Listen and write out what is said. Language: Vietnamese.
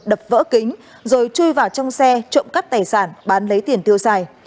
đập vỡ kính rồi chui vào trong xe trộm cắp tài sản bán lấy tiền tiêu xài